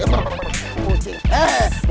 jangan bikin aku pusing dong